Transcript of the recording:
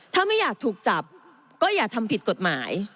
ถ้าไม่อยากถูกจับก็อย่าทำผิดกฎหมาย